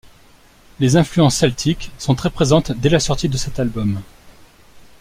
Les influences celtiques sont très présentes dès la sortie de cet album.